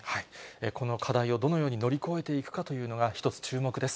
この課題をどのように乗り越えていくかというのが、一つ、注目です。